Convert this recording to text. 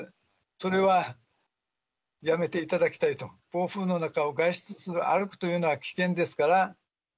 それはやめていただきたいと、暴風雨の中を外出する、歩くというのは危険ですから。